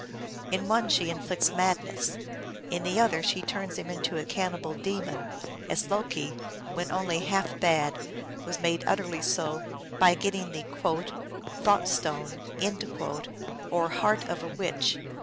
In one she in flicts madness ; in the other she turns him into a cannibal demon, as Loki, when only half bad, was made utterly so by getting the " thought stone " or heart of a witch.